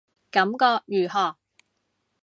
感覺如何